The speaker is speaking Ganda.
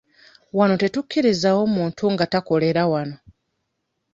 Wano tetukkirizaawo muntu nga takolera wano.